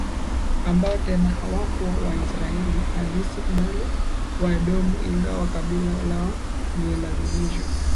ambao tena hawakuwa Waisraeli halisi bali Waedomu ingawa kabila lao lililazimishwa